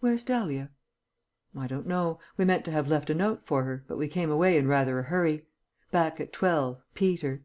"Where's Dahlia?" "I don't know. We meant to have left a note for her, but we came away in rather a hurry. '_Back at twelve. Peter.